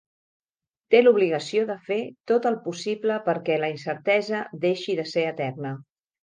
Té l'obligació de fer tot el possible perquè la incertesa deixi de ser eterna.